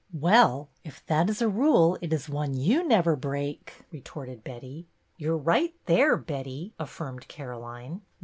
" Well, if that is a rule it is one you never break," retorted Betty. "You're right there, Betty!" affirmed Caroline.